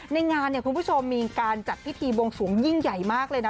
ในงานเนี่ยคุณผู้ชมมีการจัดพิธีบวงสวงยิ่งใหญ่มากเลยนะ